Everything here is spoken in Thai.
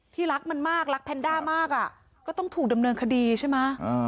รักมันมากรักแพนด้ามากก็ต้องถูกดำเนินคดีใช่ไหม